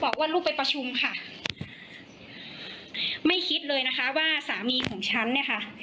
บอกว่าลูกไปประชุมค่ะไม่คิดเลยนะคะว่าสามีของฉันเนี่ยค่ะ